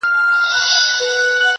په دې لاپو هسی ځان کرارومه -